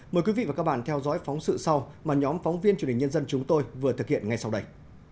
mời quý vị và các bạn theo dõi phóng sự sau mà nhóm phóng viên truyền hình nhân dân chúng tôi vừa thực hiện ngay sau đây